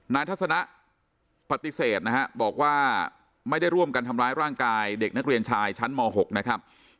ทัศนะปฏิเสธนะฮะบอกว่าไม่ได้ร่วมกันทำร้ายร่างกายเด็กนักเรียนชายชั้นม๖นะครับ